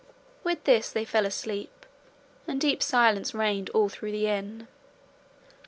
With this they fell asleep, and deep silence reigned all through the inn.